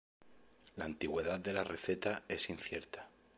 La antigüedad de la receta es incierta.